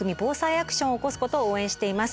アクションを起こすことを応援しています。